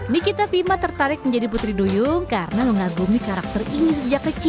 nikita pima tertarik menjadi putri duyung karena mengagumi karakter ini sejak kecil